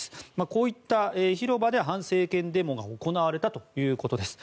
こういった広場で反政権デモが行われたということです。